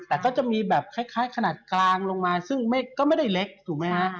แต่ก็จะมีแบบคล้ายขนาดกลางลงมาซึ่งก็ไม่ได้เล็กถูกไหมฮะ